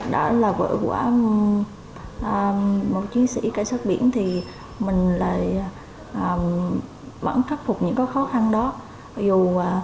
đã là vợ của một chiến sĩ cảnh sát biển thì mình lại vẫn khắc phục những khó khăn đó